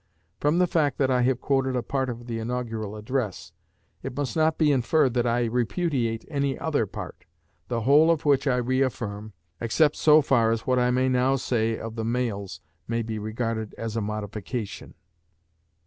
From the fact that I have quoted a part of the Inaugural Address, it must not be inferred that I repudiate any other part, the whole of which I reaffirm, except so far as what I now say of the mails may be regarded as a modification.